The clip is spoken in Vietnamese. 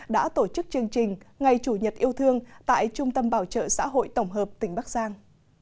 đã tổ chức chương trình ngày chủ nhật yêu thương tại trung tâm bảo trợ xã hội tổng hợp tỉnh bắc giang